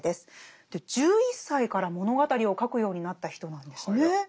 で１１歳から物語を書くようになった人なんですね。